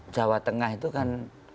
jawa tengah itu kan